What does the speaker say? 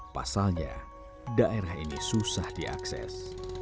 pasalnya daerah ini susah diakses